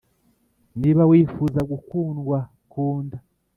niba wifuza gukundwa, kunda